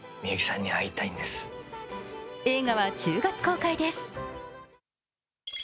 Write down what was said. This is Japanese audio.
映画は１０月公開です。